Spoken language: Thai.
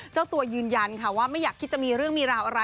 เจ้าตัวยืนยันค่ะว่าไม่อยากคิดจะมีเรื่องมีราวอะไร